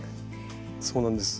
そうなんです